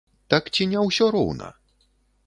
Так, ці не ўсё роўна?